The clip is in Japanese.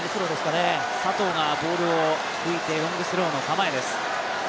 佐藤がボールを拭いてロングスローの構えです。